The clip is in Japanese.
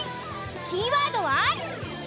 キーワードは。